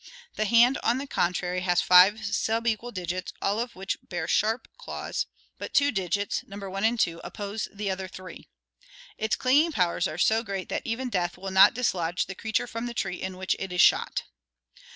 The hand, on the contrary, has five subequal digits, all of which bear sharp claws, but two 344 ORGANIC EVOLUTION digits, numbers i and 2, oppose the other three. Its clinging powers are so great that even death will not dislodge the creature from the tree in which it is shot.